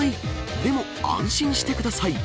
でも安心してください。